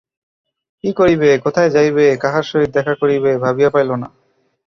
কী করিবে কোথায় যাইবে কাহার সহিত দেখা করিবে ভাবিয়া পাইল না।